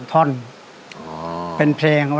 อ๋อเป็นเพลงที่สับไปสับมาละแล้วมีถึง๒ท่อน